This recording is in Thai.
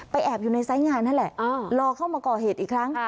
แอบอยู่ในไซส์งานนั่นแหละรอเข้ามาก่อเหตุอีกครั้ง